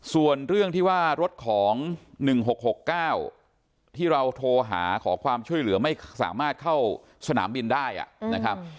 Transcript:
ส่วนเรื่องที่ว่ารถของ๑๖๖๙ที่เราโทรหาขอความช่วยเหลือไม่สามารถเข้าสนามบินได้นะครับ